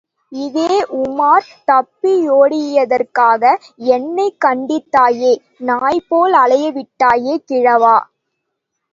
இதே உமார், தப்பியோடியதற்காக என்னைக் கண்டித்தாயே, நாய் போல் அலையவிட்டாயே, கிழவா!